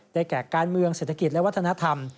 แก่การเมืองเศรษฐกิจและวัฒนธรรม